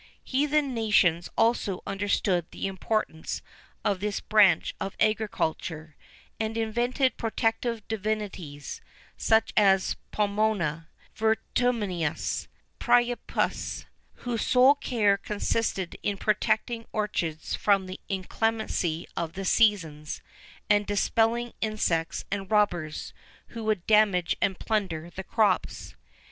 [XI 4] Heathen nations also understood the importance of this branch of agriculture, and invented protective divinities such as Pomona,[XI 5] Vertumnus,[XI 6] Priapus[XI 7] whose sole care consisted in protecting orchards from the inclemency of the seasons, and dispelling insects and robbers, who would damage and plunder the crops.